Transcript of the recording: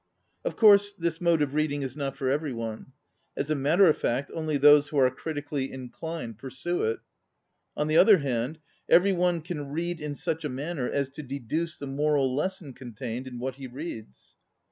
Of course this mode of reading is not for every one. As a matter of fact only those who are criti cally inclined pursue it. On the other hand, every one can read in such a manner as to deduce the moral lesson contained in what he reads.